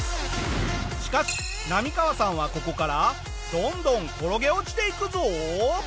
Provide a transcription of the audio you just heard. しかしナミカワさんはここからどんどん転げ落ちていくぞ！